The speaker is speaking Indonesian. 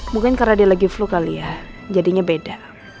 mungkin karena dia lagi flu kali ya jadinya beda